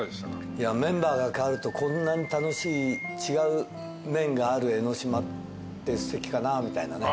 いやメンバーが変わるとこんなに楽しい違う面がある江の島ってすてきかなぁみたいなね。